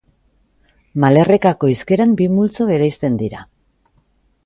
Malerrekako hizkeran bi multzo bereizten dira.